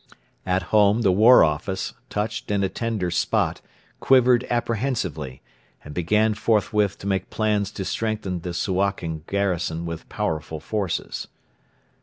At home the War Office, touched in a tender spot, quivered apprehensively, and began forthwith to make plans to strengthen the Suakin garrison with powerful forces.